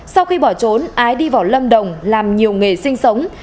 sau khi bỏ trốn ái đi vào lâm đồng làm nhiều nghề sinh sống